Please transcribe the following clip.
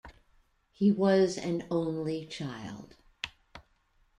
He was an only child.